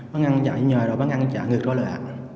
bán ăn chạy vô nhòa rồi bán ăn chạy ngược ra lời ạ